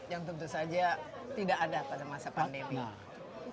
yang tentu saja tidak ada pada masa pandemi